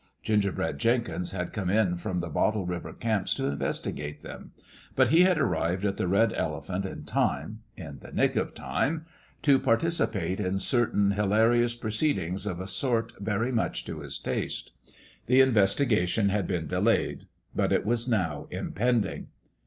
Gingerbread Jenkins had come in from the Bottle River camps to investigate them ; but he had ar rived at the Red Elephant in time in the nick of time to participate in certain hilarious proceed ings of a sort very much to his taste. The in vestigation had been delayed. But it was now impending.